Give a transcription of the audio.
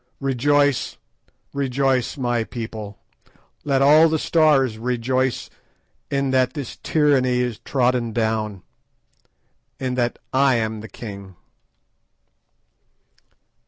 "Rejoice, rejoice, my people! "Let all the stars rejoice in that this tyranny is trodden down, in that I am the king."